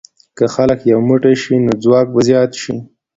که خلک یو موټی شي، نو ځواک به زیات شي.